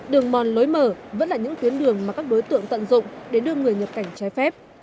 đường mòn lối mở vẫn là những tuyến đường mà các đối tượng tận dụng để đưa người nhập cảnh trái phép